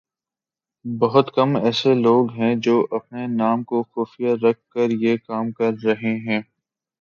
بہت کم ایسے لوگ ہیں جو اپنے نام کو خفیہ رکھ کر یہ کام کررہے ہیں